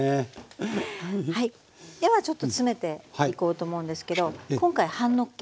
ではちょっと詰めていこうと思うんですけど今回半のっけ。